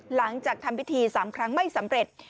หลังจากทำพิธี๓ครั้งไม่สำเร็จ